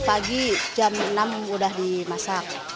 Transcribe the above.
pagi jam enam udah dimasak